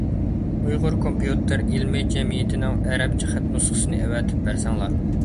ئۇيغۇر كومپيۇتېر ئىلمى جەمئىيىتىنىڭ ئەرەبچە خەت نۇسخىسىنى ئەۋەتىپ بەرسەڭلار.